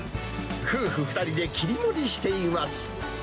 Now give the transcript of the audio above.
夫婦２人で切り盛りしています。